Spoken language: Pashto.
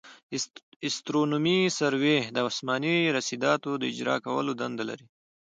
استرونومي سروې د اسماني رصاداتو د اجرا کولو دنده لري